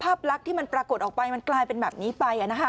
ภาพลักษณ์ที่มันปรากฏออกไปมันกลายเป็นแบบนี้ไป